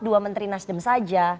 dua menteri nasdem saja